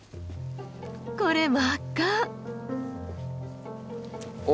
これ真っ赤！